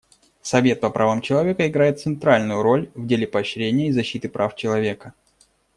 Совет по правам человека играет центральную роль в деле поощрения и защиты прав человека.